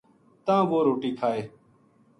تاں وہ روٹی کھائے‘‘